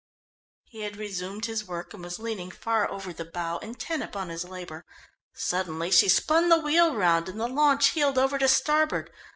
He had resumed his work and was leaning far over the bow intent upon his labour. Suddenly she spun the wheel round and the launch heeled over to starboard.